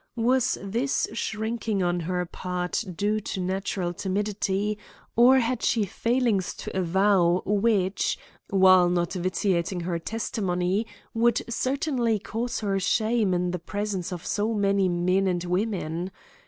Was this shrinking on her part due to natural timidity, or had she failings to avow which, while not vitiating her testimony, would certainly cause her shame in the presence of so many men and women?